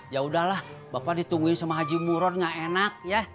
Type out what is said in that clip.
ya udahlah bapak ditungguin sama haji muron gak enak ya